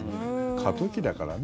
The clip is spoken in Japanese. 過渡期だからね